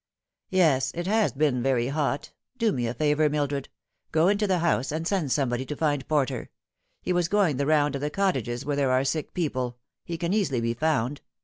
'* Yes, it has been very hot. Do me a favour, Mildred. Go into the house, and send somebody to find Porter. He was going the round of the cottages where there are sick people. He can easily be found.